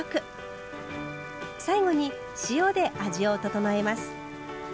最後に塩で味を調えます。